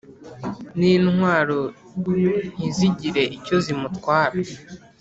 n’intwaro ntizigire icyo zimutwara